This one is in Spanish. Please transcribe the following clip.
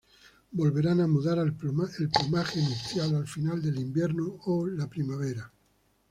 Volverán a mudar al plumaje nupcial al final del invierno o la primavera.